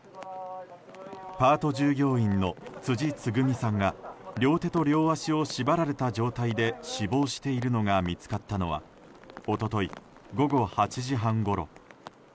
パート従業員の辻つぐみさんが両手と両足を縛られた状態で死亡しているのが見つかったのは一昨日午後８時半ごろ。